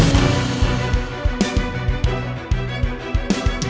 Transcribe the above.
kamu mau bikin evan yang laps pu